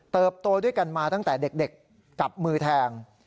โตด้วยกันมาตั้งแต่เด็กกับมือแทง